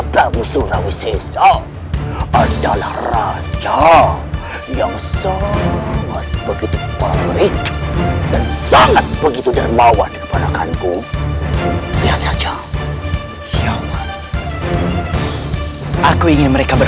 terima kasih gufri prabu